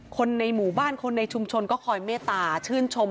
คนในหมู่บ้านคนในชุมชนก็คอยเมตตาชื่นชม